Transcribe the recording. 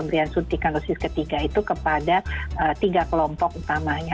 dan suntikan dosis ketiga itu kepada tiga kelompok utamanya